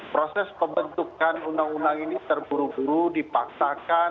proses pembentukan undang undang ini terburu buru dipaksakan